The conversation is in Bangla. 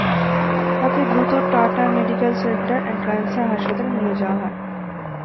তাঁকে দ্রুত Tata medical centre and cancer হাসপাতালে নিয়ে যাওয়া হয়।